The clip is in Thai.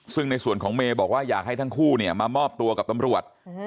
ซึ่งในส่วนของเมย์บอกว่าอยากให้ทั้งคู่เนี่ยมามอบตัวกับตำรวจ